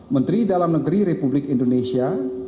menteri dalam negeri republik indonesia